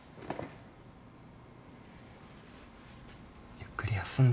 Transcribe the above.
ゆっくり休んで。